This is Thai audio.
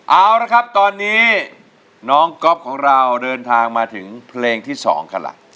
เอาละครับตอนนี้น้องก๊อฟของเราเดินทางมาถึงเพลงที่๒กันล่ะ